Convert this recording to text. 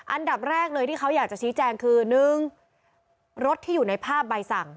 อันดับแรกเลยที่เขาอยากจะชี้แจงคือ๑รถที่อยู่ในภาพใบสั่ง